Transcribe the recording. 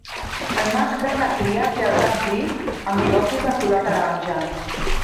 El mascle de cria té el cap gris amb bigotis de color taronja.